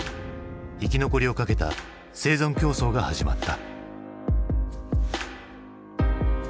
生き残りをかけた生存競争が始まった。